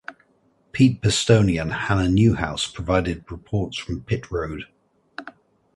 Pete Pistone and Hannah Newhouse provided reports from pit road.